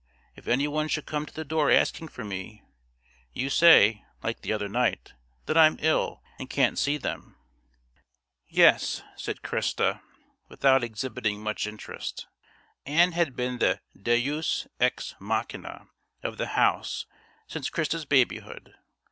If any one should come to the door asking for me, you say, like the other night, that I'm ill and can't see them." "Yes," said Christa, without exhibiting much interest. Ann had been the deus ex machina of the house since Christa's babyhood.